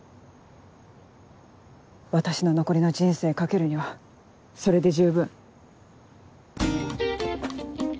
私の残りの人生懸けるにはそれで十分。